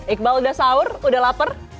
iqbal udah sahur udah lapar